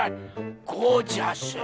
ゴージャス。